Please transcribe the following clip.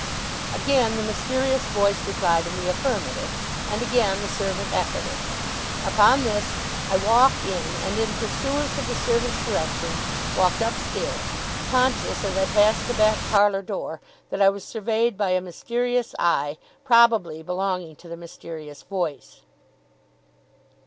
Again the mysterious voice replied in the affirmative, and again the servant echoed it. Upon this, I walked in, and in pursuance of the servant's directions walked upstairs; conscious, as I passed the back parlour door, that I was surveyed by a mysterious eye, probably belonging to the mysterious voice.